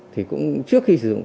thì cũng trước khi sử dụng